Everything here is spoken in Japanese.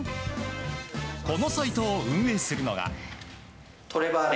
このサイトを運営するのが。